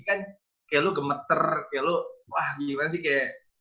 kayak lo gemeter kayak lo wah gimana sih kayak